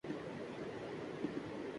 دیکھا اسدؔ کو خلوت و جلوت میں بار ہا